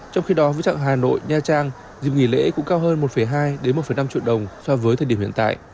trong khi đó với trạng hà nội nha trang dịp nghỉ lễ cũng cao hơn một hai một năm triệu đồng so với thời điểm hiện tại